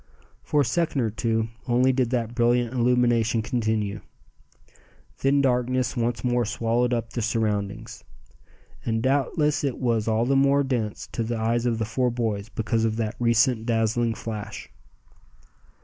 For a second or two only did that brilliant illumination continue. Then darkness once more swallowed up the surroundings; and doubtless it was all the more dense to the eyes of the four boys because of that recent dazzling flash.